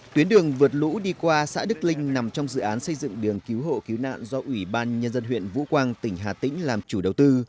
tuyến đường vượt lũ đi qua xã đức linh nằm trong dự án xây dựng đường cứu hộ cứu nạn do ủy ban nhân dân huyện vũ quang tỉnh hà tĩnh làm chủ đầu tư